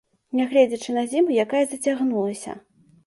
Нягледзячы на зіму, якая зацягнулася.